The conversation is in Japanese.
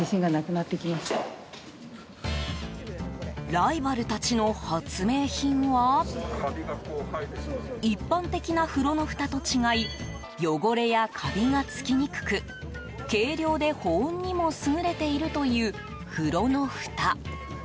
ライバルたちの発明品は一般的な風呂のふたと違い汚れやカビがつきにくく軽量で保温にも優れているという風呂のふた。